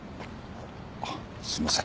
あっすいません。